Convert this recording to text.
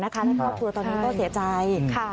ในครอบครัวตอนนี้ก็เสียใจ